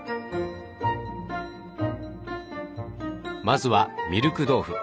まずはミルク豆腐。